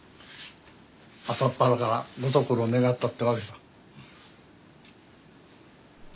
朝っぱらからご足労願ったってわけだ。